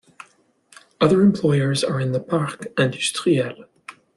Other employers are in the "Parc Industriel".